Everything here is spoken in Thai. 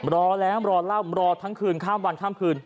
รอแล้วรอเล่ารอทั้งคืนข้ามวันข้ามคืน